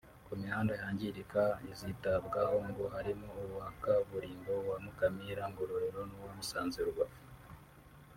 Ku mihanda yangirika izitabwaho ngo harimo uwa kaburimbo wa Mukamira- Ngororero n’uwa Musanze Rubavu